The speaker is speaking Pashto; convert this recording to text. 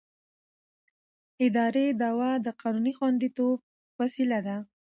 اداري دعوه د قانوني خوندیتوب وسیله ده.